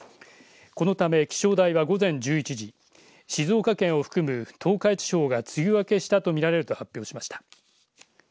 このため気象台は午前１１時、静岡県を含む東海地方が梅雨明けしたと見られると発表しました。